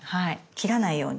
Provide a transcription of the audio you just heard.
切らないように。